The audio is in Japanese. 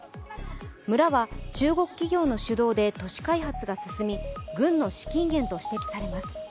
村は中国企業の主導で都市開発が進み、軍の資金源と指摘されます。